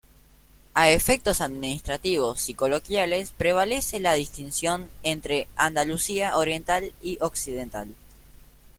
A efectos administrativos y coloquiales prevalece la distinción entre Andalucía Oriental y Occidental.